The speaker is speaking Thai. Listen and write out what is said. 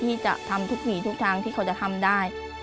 ที่จะทำทุกหมี่ทุกทางที่เขาจะทำได้